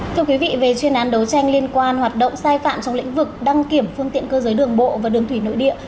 thưa quý vị về chuyên án đấu tranh liên quan hoạt động sai phạm trong lĩnh vực đăng kiểm phương tiện cơ giới đường bộ và đường thủy nội địa